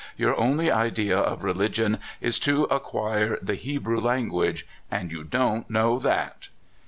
Your only idea of religion is to acquire the Hebrew language, and you do n't know that!"